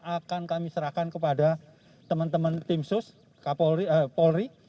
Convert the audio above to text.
akan kami serahkan kepada teman teman tim sus polri